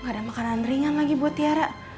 gak ada makanan ringan lagi buat tiara